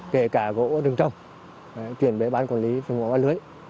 kể cả gỗ rừng trong chuyển về bán quản lý phương mộ bán lưới